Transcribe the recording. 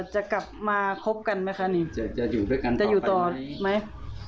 จะกลับมาครบกันไหมค่ะอันนี้จะอยู่ต่อไหม